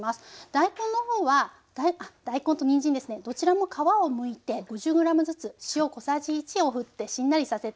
大根の方はだい大根とにんじんですねどちらも皮をむいて５０ｇずつ塩小さじ１をふってしんなりさせてます。